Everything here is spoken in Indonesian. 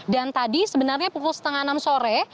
tadi sebenarnya pukul setengah enam sore